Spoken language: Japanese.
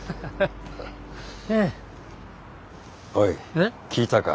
おい聞いたか？